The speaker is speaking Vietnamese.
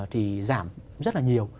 thì giảm rất là nhiều